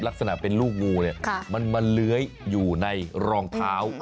ลักษณะเป็นลูกงูเนี่ยมันมาเลื้อยอยู่ในรองเท้า